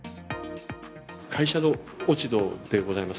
会社の落ち度でございます。